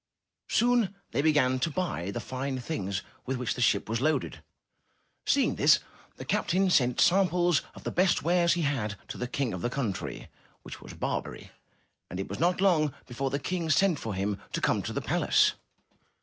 Soon they began to buy the fine things with which the ship was loaded. Seeing this, the captain sent samples of the best wares he had to the King of the country, which was Barbary; and it was not long before the King sent for him to come to the palace.